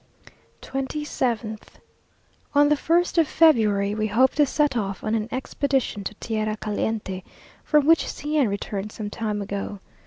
27th. On the first of February we hope to set off on an expedition to tierra caliente, from which C n returned some time ago.